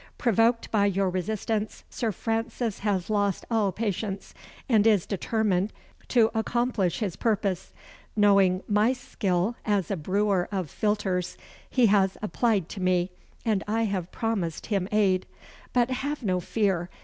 Provoked by your resistance, Sir Francis has lost all patience, and is determined to accomplish his purpose. Knowing my skill as a brewer of philters, he has applied to me, and I have promised him aid. But have no fear.